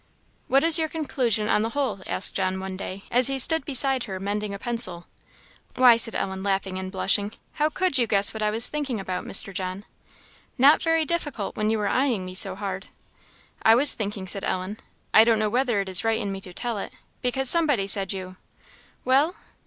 "What is your conclusion on the whole?" asked John, one day, as he stood beside her mending a pencil. "Why," said Ellen, laughing and blushing, "how could you guess what I was thinking about, Mr. John?" "Not very difficult, when you are eyeing me so hard." "I was thinking," said Ellen, "I don't know whether it is right in me to tell it because somebody said you " "Well?"